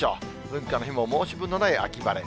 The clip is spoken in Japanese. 文化の日も申し分のない秋晴れ。